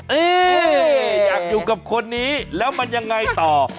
อยากอยู่กับคนนี้แล้วมันยังไงต่อ